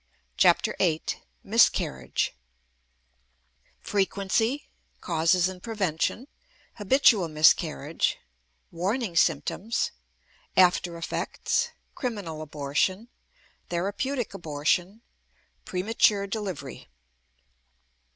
CHAPTER VIII MISCARRIAGE Frequency Causes and Prevention Habitual Miscarriage Warning Symptoms After effects Criminal Abortion Therapeutic Abortion Premature Delivery.